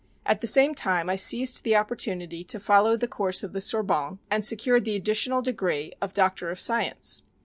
At the same time I seized the opportunity to follow the course of the Sorbonne and secured the additional degree of Doctor of Science.